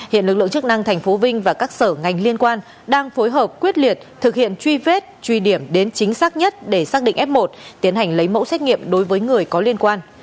hiện lực lượng chức năng tp vinh và các sở ngành liên quan đang phối hợp quyết liệt thực hiện truy vết truy điểm đến chính xác nhất để xác định f một tiến hành lấy mẫu xét nghiệm đối với người có liên quan